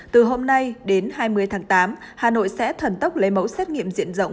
từ hôm nay đến hai mươi tháng tám hà nội sẽ thần tốc lấy mẫu xét nghiệm diện rộng